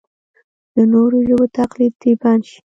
د نورو ژبو تقلید دې بند شي.